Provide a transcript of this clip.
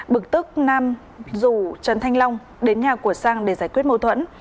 bực tức nam rủ trần thanh long đến nhà của sang để giải quyết mâu thuẫn